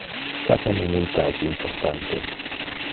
Cata minuta es importante.